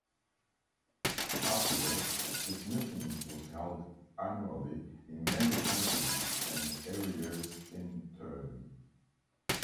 Afterwards this meeting was held annually in member countries and areas in turn.